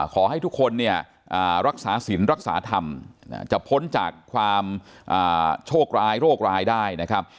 ขอให้ทุกคนเนี่ยรักษาสินรักษาธรรมจะพ้นจากความโชคร้ายโรคร้ายได้นะครับ